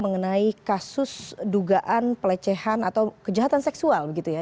mengenai kasus dugaan pelecehan atau kejahatan seksual begitu ya